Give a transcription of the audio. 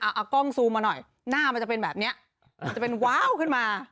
เอากล้องซูมมาหน่อยหน้ามันจะเป็นแบบเนี้ยมันจะเป็นว้าวขึ้นมา